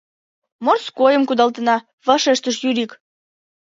Морскойым кудалтена, — вашештыш Юрик.